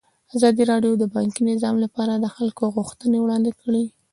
ازادي راډیو د بانکي نظام لپاره د خلکو غوښتنې وړاندې کړي.